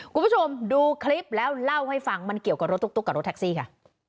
คุณผู้ชมดูคลิปแล้วเล่าให้ฟังมันเกี่ยวกับรถตุ๊กกับรถแท็กซี่ค่ะ